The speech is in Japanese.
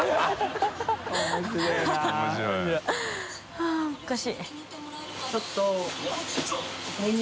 はぁおかしい。